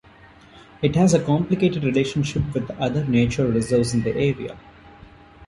It has a complicated relationship with other nature reserves in the area.